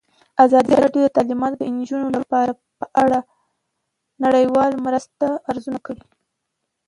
ازادي راډیو د تعلیمات د نجونو لپاره په اړه د نړیوالو مرستو ارزونه کړې.